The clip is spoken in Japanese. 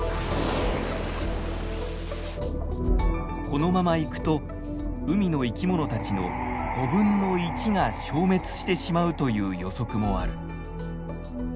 このままいくと海の生き物たちの５分の１が消滅してしまうという予測もある。